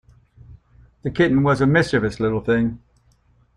The kitten was a mischievous little thing.